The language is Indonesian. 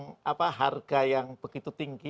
dengan harga yang begitu tinggi